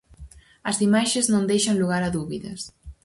As imaxes non deixan lugar a dúbidas.